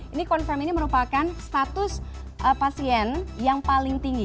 ini confirm ini merupakan status pasien yang paling tinggi